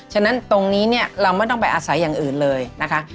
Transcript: ฉะนั้นตรงนี้เนี่ยเราไม่ต้องไปอาศัยอย่างอื่นเลยนะคะ